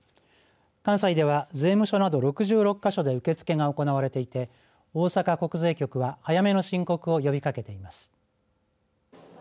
関西では税務署など６６か所で受け付けが行われていて大阪国税局は早めの申告を呼びかけています。